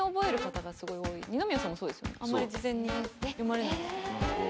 あんまり事前に読まれない。